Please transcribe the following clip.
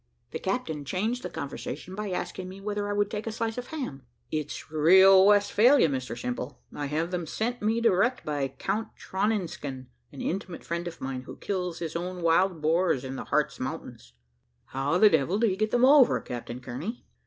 The captain changed the conversation by asking me whether I would take a slice of ham. "It's real Westphalia, Mr Simple; I have them sent me direct by Count Troningsken, an intimate friend of mine, who kills his own wild boars in the Hartz mountains." "How the devil do you get them over, Captain Kearney?"